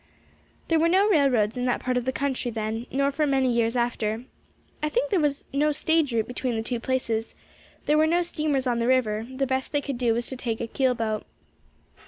There were no railroads in that part of the country then, nor for many years after; I think there was no stage route between the two places; there were no steamers on the river; the best they could do was to take a keel boat.